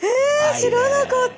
知らなかった。